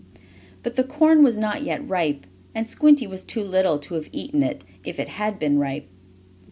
But the corn was not yet ripe, and Squinty was too little to have eaten it, if it had been ripe.